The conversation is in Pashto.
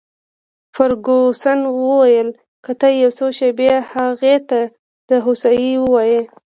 فرګوسن وویل: که ته یو څو شپې هغې ته د هوسایۍ وواېې.